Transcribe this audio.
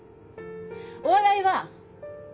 お笑いは。